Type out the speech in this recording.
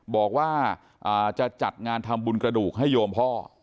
บอกว่าจะจัดงานทำบุญกระดูกให้โยมพ่อ